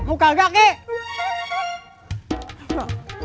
mau kagak kek